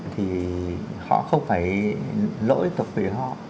thì họ không phải lỗi tập về họ